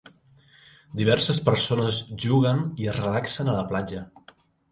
Diverses persones juguen i es relaxen a la platja.